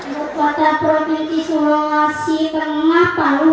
kota kota provinsi sulawesi tengah palu